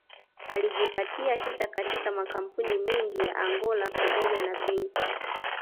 Alijipatia hisa katika makampuni mengi ya Angola pamoja na benki